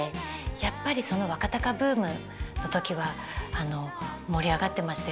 やっぱりその若貴ブームの時は盛り上がってましたよね。